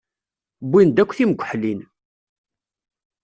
Wwin-d akk timkeḥlin.